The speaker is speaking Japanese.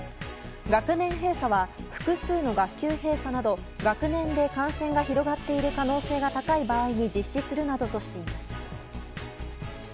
学年閉鎖は複数の学級閉鎖など学年で感染が広がっている可能性が高い場合に実施するなどとしています。